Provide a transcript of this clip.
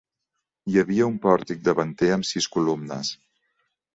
Hi havia un pòrtic davanter amb sis columnes.